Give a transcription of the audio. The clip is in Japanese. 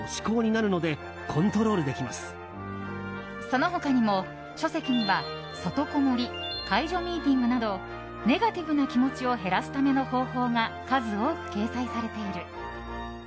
その他にも、書籍には外こもり、解除ミーティングなどネガティブな気持ちを減らすための方法が数多く掲載されている。